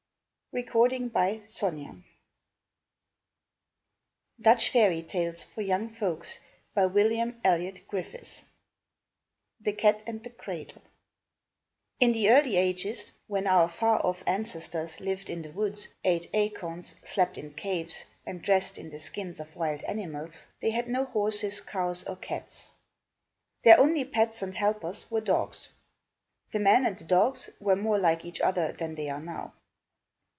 [Illustration: ON AND ON THE RAGING FLOOD BORE THEM UNTIL DARK NIGHT CAME DOWN] THE CAT AND THE CRADLE In the early ages, when our far off ancestors lived in the woods, ate acorns, slept in caves, and dressed in the skins of wild animals, they had no horses, cows or cats. Their only pets and helpers were dogs. The men and the dogs were more like each other than they are now.